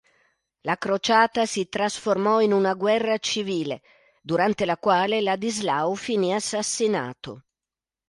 La crociata si trasformò in una guerra civile, durante la quale Ladislao finì assassinato.